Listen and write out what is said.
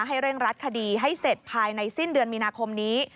เร่งรัดคดีให้เสร็จภายในสิ้นเดือนมีนาคมนี้